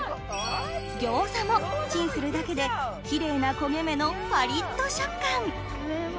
ギョーザもチンするだけでキレイな焦げ目のパリっと食感！